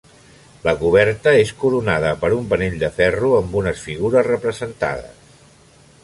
La coberta és coronada per un penell de ferro amb unes figures representades.